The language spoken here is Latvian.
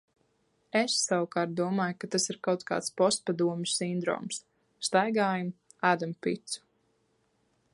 Es, savukārt, domāju, ka tās ir kaut kāds postpadomju sindroms. Staigājam, ēdam picu.